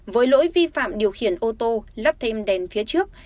với lỗi vi phạm điều khiển ô tô lắp thêm đèn phía trước